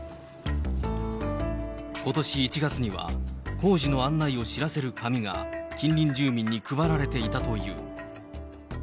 ことし１月には、工事の案内を知らせる紙が近隣住民に配られていたという。